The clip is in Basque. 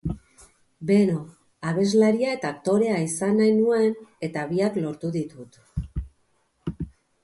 Beno, abeslaria eta aktorea izan nahi nuen, eta biak lortu ditut.